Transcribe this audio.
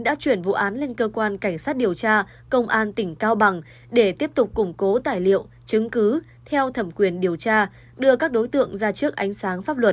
đã chuyển vụ án lên cơ quan cảnh sát điều tra công an tỉnh cao bằng để tiếp tục củng cố tài liệu chứng cứ theo thẩm quyền điều tra đưa các đối tượng ra trước ánh sáng pháp luật